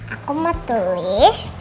aku mau tulis